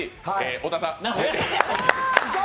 小田さん！